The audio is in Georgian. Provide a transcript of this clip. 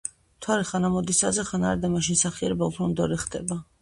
მთვარე ხან ამოდის ცაზე, ხან არა და მაშინ სახიერება უფრო მდორე ხდება